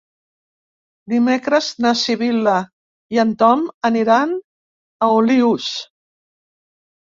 Dimecres na Sibil·la i en Ton aniran a Olius.